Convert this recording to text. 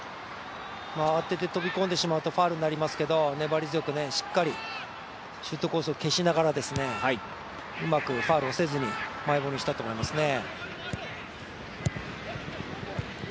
慌てて飛び込んでしまうとファウルになってしまいますが粘り強く、しっかりシュートコースを消しながらうまくファウルをせずにマイボールにしたと思いますね。